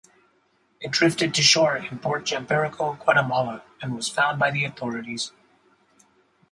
It drifted to shore in Port Champerico, Guatemala, and was found by authorities.